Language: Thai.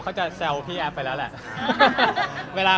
เขาจะแซวพี่แอฟไปแล้วแหละ